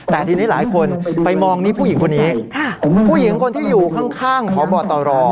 แต่ทีนี้หลายคนไปมองนี้ผู้หญิงคนนี้ผู้หญิงคนที่อยู่ข้างพบตร